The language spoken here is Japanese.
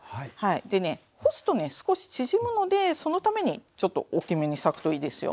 でね干すと少し縮むのでそのためにちょっと大きめに裂くといいですよ。